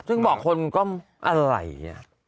ซึ่งบอกคนก็อะไร